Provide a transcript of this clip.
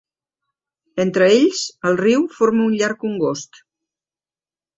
Entre ells, el riu forma un llarg congost.